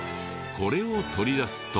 これを取り出すと。